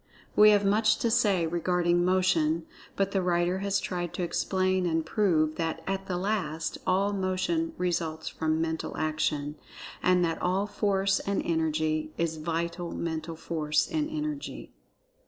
We have much to say regarding Motion, but the writer has tried to explain and prove that, at the last, all Motion results from Mental Action, and that all Force and Energy is Vital Mental Force and Energy.